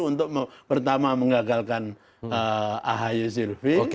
untuk pertama mengagalkan ahy silvi